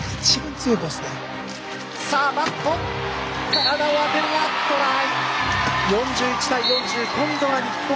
体を当てるがトライ。